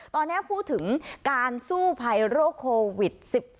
ตอนนี้พูดถึงการสู้ภัยโรคโควิด๑๙